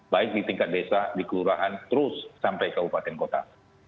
baik di tingkat desa di kelurahan terus sampai kabupaten kota